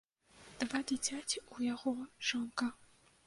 Два дзіцяці ў яго, жонка.